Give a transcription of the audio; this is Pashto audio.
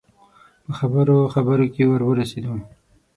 په خبرو خبرو کې ور ورسېدو.